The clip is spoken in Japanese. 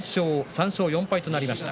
３勝４敗となりました。